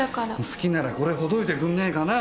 好きならこれほどいてくんねえかな！